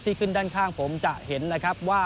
ขึ้นด้านข้างผมจะเห็นนะครับว่า